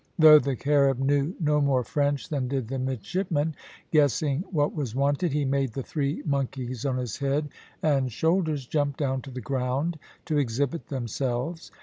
Though the Carib knew no more French than did the midshipman, guessing what was wanted, he made the three monkeys on his head and shoulders jump down to the ground to exhibit themselves.